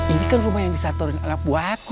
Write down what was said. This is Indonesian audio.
ini kan rumah yang disatorin anak buah aku